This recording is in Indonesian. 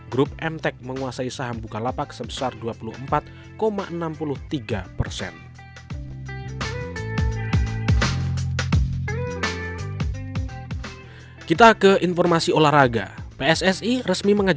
grup mtek menguasai saham bukalapak sebesar dua puluh empat enam puluh tiga persen